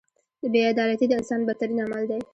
• بې عدالتي د انسان بدترین عمل دی.